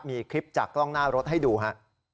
มีคลิปจากกล้องหน้ารถให้ดูฮะ